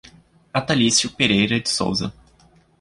Atalicio Pereira de Sousa